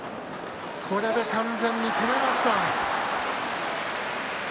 これで完全に止めました。